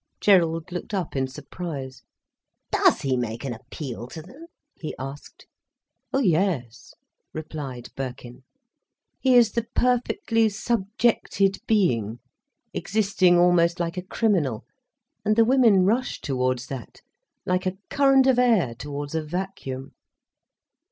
Gerald looked up in surprise. "Does he make an appeal to them?" he asked. "Oh yes," replied Birkin. "He is the perfectly subjected being, existing almost like a criminal. And the women rush towards that, like a current of air towards a vacuum."